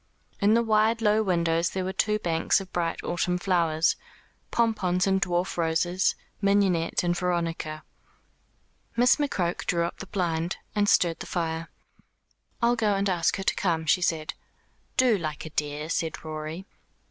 In the wide low windows there were two banks of bright autumn flowers, pompons and dwarf roses, mignonette and veronica. Miss McCroke drew up the blind, and stirred the fire. "I'll go and ask her to come," she said. "Do, like a dear," said Rorie.